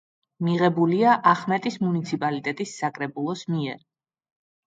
მიღებულია ახმეტის მუნიციპალიტეტის საკრებულოს მიერ.